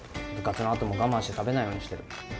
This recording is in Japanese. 部活のあとも我慢して食べないようにしてる。